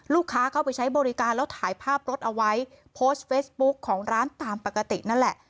เข้าไปใช้บริการแล้วถ่ายภาพรถเอาไว้โพสต์เฟซบุ๊กของร้านตามปกตินั่นแหละ